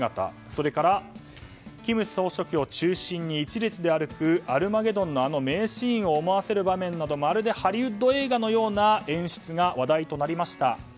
それから金総書記を中心に一列で歩く「アルマゲドン」の名シーンを思わせるようなまるでハリウッド映画のような演出が話題となりました。